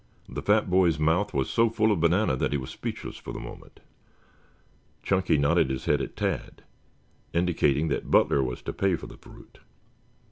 The fat boy's mouth was so full of banana that he was speechless for the moment. Chunky nodded his head at Tad, indicating that Butler was to pay for the fruit.